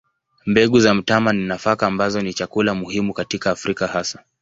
Mbegu za mtama ni nafaka ambazo ni chakula muhimu katika Afrika hasa.